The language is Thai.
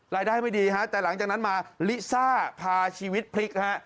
ไม่ดีฮะแต่หลังจากนั้นมาลิซ่าพาชีวิตพลิกฮะ